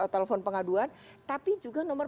telepon pengaduan tapi juga nomor